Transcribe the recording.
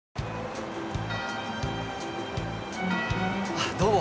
あっどうも。